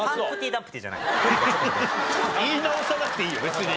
言い直さなくていいよ別に。